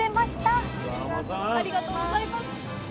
ありがとうございます。